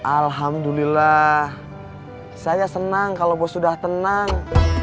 alhamdulillah saya senang kalau bos sudah tenang